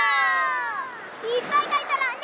いっぱいかいとろうね！